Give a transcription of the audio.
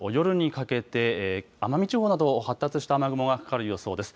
夜にかけて奄美地方など発達した雨雲がかかる予想です。